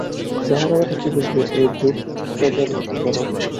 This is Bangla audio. বেহারা বেটা কী বুঝবে এই দূতপেদের দরদ।